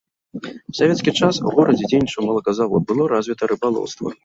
У савецкі час у горадзе дзейнічаў малаказавод, было развіта рыбалоўства.